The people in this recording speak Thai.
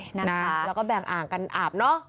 แล้วก็แบ่งอ่างกันอาบเนอะ